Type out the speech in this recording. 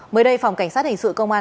mới đây phòng cảnh sát hình sự công an